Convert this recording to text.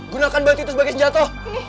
gunakan batu itu sebagai senjata